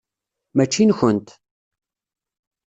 Mačči nkent.